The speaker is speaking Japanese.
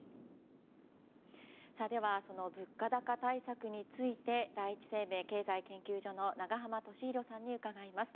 その物価高対策について第一生命経済研究所の永濱利廣さんに伺います。